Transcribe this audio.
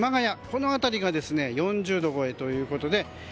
この辺りが４０度超えということで。